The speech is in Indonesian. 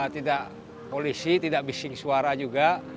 tidak polisi tidak bising suara juga